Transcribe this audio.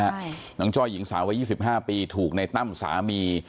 ใช่น้องจ้อยหญิงสาววัย๒๕ปีถูกในตั้มสามี